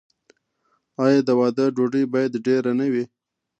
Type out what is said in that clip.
آیا د واده ډوډۍ باید ډیره نه وي؟